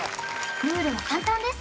ルールは簡単です